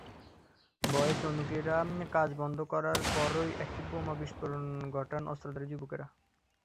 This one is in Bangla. ভয়ে শ্রমিকেরা কাজ বন্ধ করার পরপরই একটি বোমার বিস্ফোরণ ঘটান অস্ত্রধারী যুবকেরা।